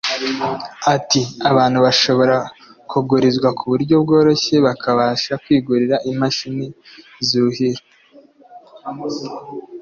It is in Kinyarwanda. Ati “Abantu bashobora kugurizwa kuburyo bworoshye bakabasha kwigurira imashini zuhira